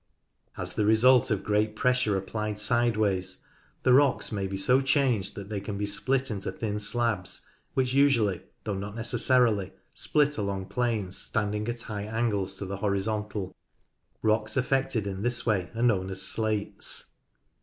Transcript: As the result of great pressure applied sideways, the rocks may be so changed that they can be split into thin slabs, which usually, though not necessarily, split along planes standing at hio h angles to the horizontal. Rocks affected in this way are known as slates.